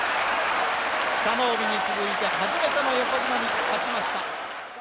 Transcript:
北の湖に続いて初めての横綱に勝ちました。